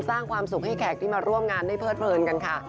สร้างความสุขให้แขกที่มาร่วมงานได้เพิดเพลินกันค่ะ